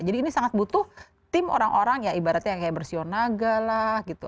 jadi ini sangat butuh tim orang orang ya ibaratnya yang bersio naga lah gitu